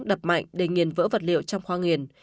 đập mạnh để nghiền vỡ vật liệu trong khoa nghiền